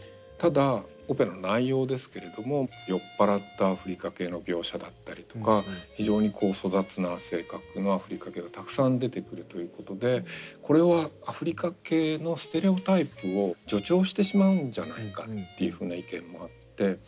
ただオペラの内容ですけれども酔っ払ったアフリカ系の描写だったりとか非常に粗雑な性格のアフリカ系がたくさん出てくるということでこれはアフリカ系のステレオタイプを助長してしまうんじゃないかっていうふうな意見もあって。